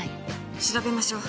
調べましょう。